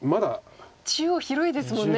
中央広いですもんね。